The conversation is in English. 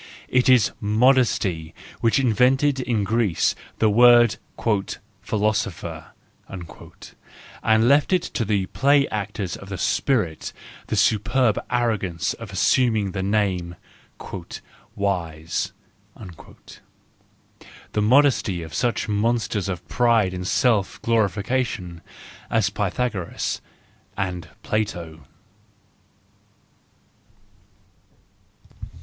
It was modesty which invented in Greece the word "philosopher," and left to the play¬ actors of the spirit the superb arrogance of assuming the name "wise"—the modesty of such monsters of pride and self glorification as Pythagoras and Plato.